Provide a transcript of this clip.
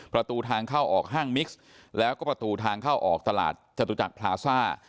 ประตูทางเข้าออกห้างมิกซ์แล้วก็ประตูทางเข้าออกตลาดจตุจักรพลาซ่า